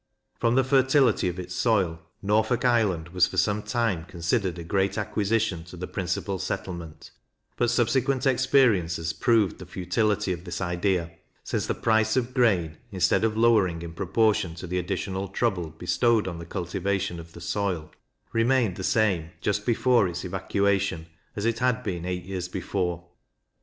From the fertility of its soil, Norfolk Island was for some time considered a great acquisition to the principal settlement; but subsequent experience has proved the futility of this idea, since the price of grain, instead of lowering in proportion to the additional trouble bestowed on the cultivation of the soil, remained the same just before its evacuation as it had been eight years before.